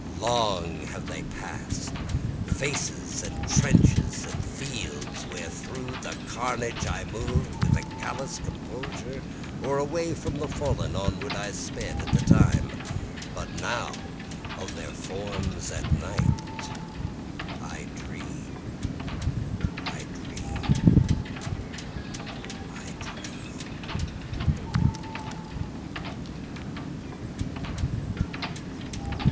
Long have they pass'd, faces and trenches and fields, Where through the carnage I moved with a callous composure, or away from the fallen, Onward I sped at the time but now of their forms at night, I dream, I dream, I dream.